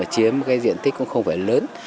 chiếm diện tích không phải lớn